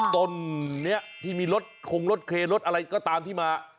ต้นนี้ที่มีรถคงรถเครถอะไรก็ตามที่มา